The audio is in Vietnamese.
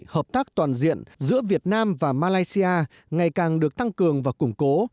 hợp tác toàn diện giữa việt nam và malaysia ngày càng được tăng cường và củng cố